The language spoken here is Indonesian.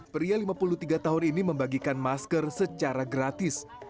pria lima puluh tiga tahun ini membagikan masker secara gratis